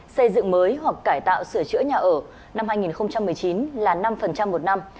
xây dựng mới hoặc cải tạo sửa chữa nhà ở năm hai nghìn một mươi chín là năm một năm